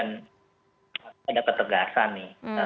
ada proses evaluasi dan ada ketegasan nih